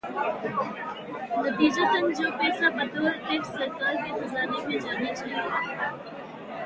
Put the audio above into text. نتیجتا جو پیسہ بطور ٹیکس سرکار کے خزانے میں جانا چاہیے۔